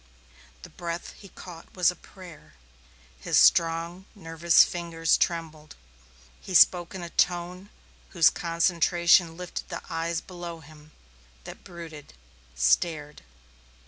The breath he caught was a prayer; his strong, nervous fingers trembled. He spoke in a tone whose concentration lifted the eyes below him, that brooded, stared.